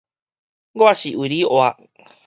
我是為你活